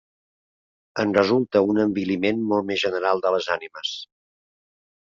En resulta un enviliment molt més general de les ànimes.